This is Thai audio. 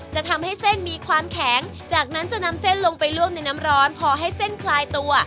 จะทำให้เส้นมีความแข็งจากนั้นจะนำเส้นลงไปลวกในน้ำร้อนพอให้เส้นคลายตัว